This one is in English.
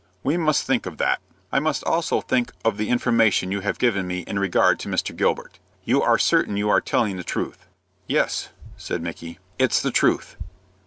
"We must think of that. I must also think of the information you have given me in regard to Mr. Gilbert. You are certain you are telling the truth." "Yes," said Micky; "it's the truth."